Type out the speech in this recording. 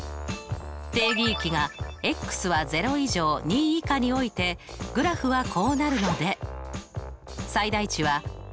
定義域がは０以上２以下においてグラフはこうなるので。